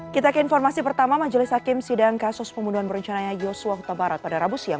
kita ke informasi pertama majelis hakim sidang kasus pembunuhan berencananya yosua huta barat pada rabu siang